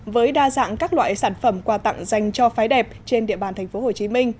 với đa dạng các loại sản phẩm quà tặng dành cho phái đẹp trên địa bàn tp hcm